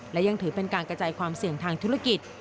และยังถือเป็นการกระจายความเสี่ยงทางธุรกิจ